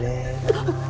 あっ！